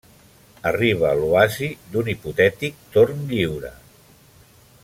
Arriba l'oasi d'un hipotètic torn lliure.